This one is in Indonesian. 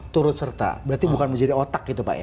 turut serta berarti bukan menjadi otak gitu pak ya